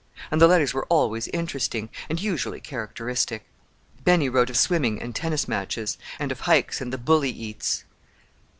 And the letters were always interesting—and usually characteristic. Benny wrote of swimming and tennis matches, and of "hikes" and the "bully eats."